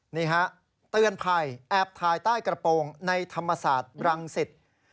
นี่ฮะเตือนภัยแอบถ่ายใต้กระโปรงในธรรมศาสตร์บรังสิต